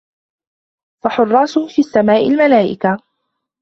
فَحُرَّاسُهُ فِي السَّمَاءِ الْمَلَائِكَةُ